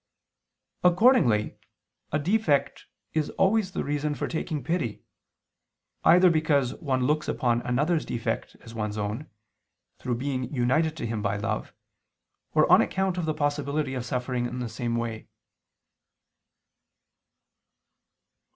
Accordingly a defect is always the reason for taking pity, either because one looks upon another's defect as one's own, through being united to him by love, or on account of the possibility of suffering in the same way.